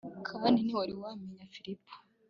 kandi ntiwari wammenya Filipo